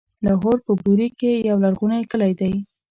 لاهور په بوري کې يو لرغونی کلی دی.